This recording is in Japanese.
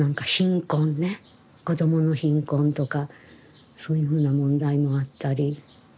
子どもの貧困とかそういうふうな問題もあったり。